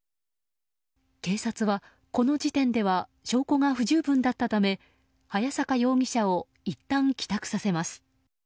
警察は、この時点では証拠が不十分だったため早坂容疑者をいったん、帰宅させます。